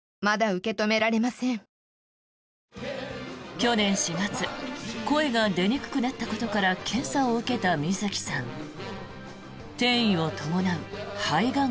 去年４月声が出にくくなったことから検査を受けた水木さん。